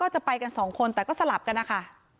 เพราะไม่เคยถามลูกสาวนะว่าไปทำธุรกิจแบบไหนอะไรยังไง